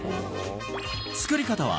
作り方は